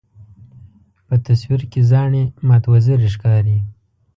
په تصویر کې زاڼې مات وزرې ښکاري.